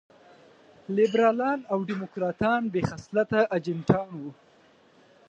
لېبرالان او ډيموکراټان بې خصلته اجنټان وو.